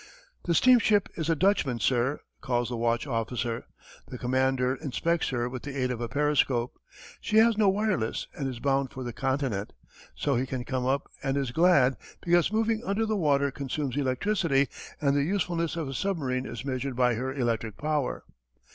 "The steamship is a Dutchman, sir," calls the watch officer. The commander inspects her with the aid of a periscope. She has no wireless and is bound for the Continent. So he can come up and is glad, because moving under the water consumes electricity, and the usefulness of a submarine is measured by her electric power.